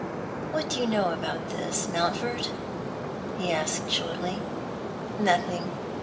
" What do you know about this, Mouutford ?" he asked shortly. " Nothing.